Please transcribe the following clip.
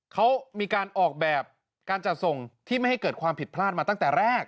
เขามีการออกแบบการจัดส่งที่ไม่ให้เกิดความผิดพลาดมาตั้งแต่แรก